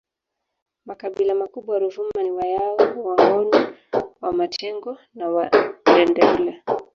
Makabila makubwa Ruvuma ni Wayao Wangoni Wamatengo na Wandendeule